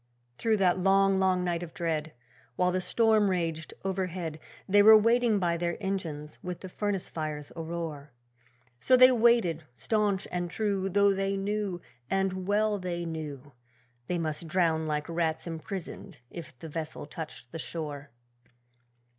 Through that long, long night of dread, While the storm raged overhead, They were waiting by their engines, with the furnace fires aroar. So they waited, staunch and true, Though they knew, and well they knew, They must drown like rats imprisoned if the vessel touched the shore.